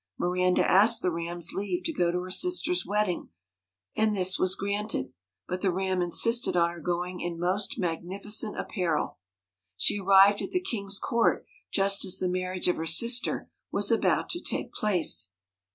Miranda asked the Ram's leave to go to her sister's wedding, and this was granted; but the Ram insisted on her going in most magnificent apparel. She arrived at the King's court just as the marriage of her sister was about to take place.